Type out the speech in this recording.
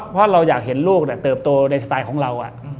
เพราะเราอยากเห็นลูกเติบโตในสไตล์ของเรา